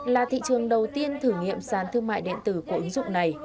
là thị trường đầu tiên thử nghiệm sản thương mại điện tử của ứng dụng này